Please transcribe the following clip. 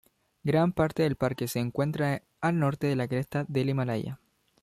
Gran parte del parque se encuentra al norte de la cresta del Himalaya.